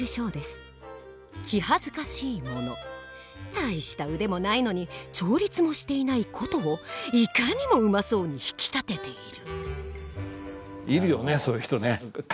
大した腕もないのに調律もしていない琴をいかにもうまそうに弾きたてている」。